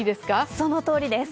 そのとおりです。